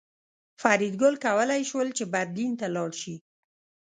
فریدګل کولی شول چې برلین ته لاړ شي